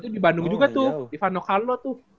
itu di bandung juga tuh divano carlo tuh